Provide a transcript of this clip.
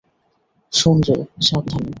শোন রে, সাবধানে।